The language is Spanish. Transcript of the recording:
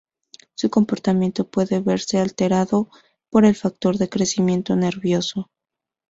Su comportamiento puede verse alterado por el factor de crecimiento nervioso.